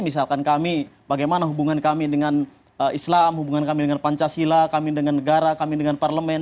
misalkan kami bagaimana hubungan kami dengan islam hubungan kami dengan pancasila kami dengan negara kami dengan parlemen